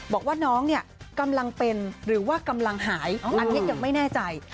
บอกว่าน้องเนี่ยกำลังเป็นหรือว่ากำลังหายอันนี้ยังไม่แน่ใจ